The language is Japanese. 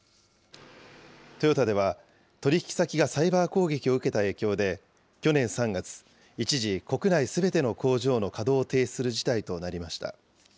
トヨタでは、取り引き先がサイバー攻撃を受けた影響で、去年３月、一時、国内すべての工場の稼働を停止する事態となりました。